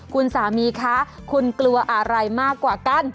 คุณสามีคะคุณกลัวอะไรมากกว่ากัน